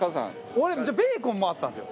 俺ベーコンもあったんですよ。